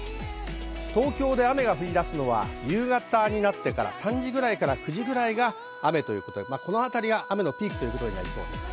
東京で雨が降り出すのは夕方になってから、３時から９時ぐらいまで、このあたりが雨のピークになりそうです。